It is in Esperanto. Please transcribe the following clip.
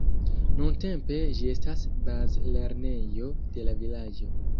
Nuntempe ĝi estas bazlernejo de la vilaĝo.